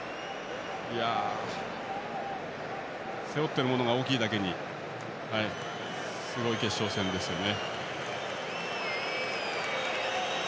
背負っているものが大きいだけにすごい決勝戦ですよね。